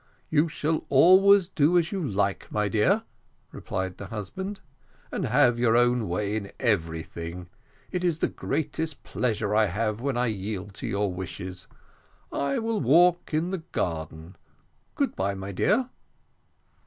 "You shall always do just as you like, my dear," replied the husband, "and have your own way in everything. It is the greatest pleasure I have when I yield to your wishes. I will walk in the garden. Good bye, my dear."